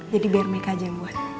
jadi biar mereka aja yang buat